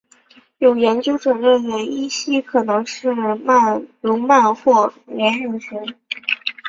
有研究者认为依西可能是鲈鳗或鲢鱼群。